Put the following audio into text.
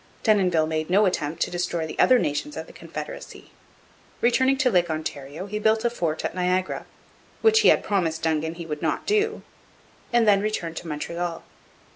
Denonville made no attempt to destroy the other nations of the confederacy. Returning to Lake Ontario he built a fort at Niagara, which he had promised Dongan he would not do, and then returned to Montreal.